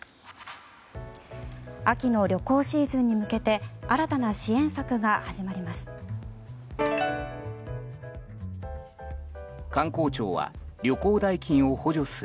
秋の旅行シーズンに向けて新たな支援策が始まります。